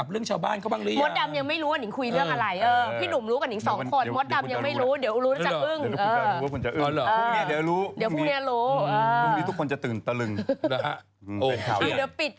ไปไปลงนรกใช่ไหมเธอจริงหลัก